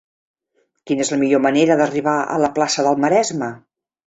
Quina és la millor manera d'arribar a la plaça del Maresme?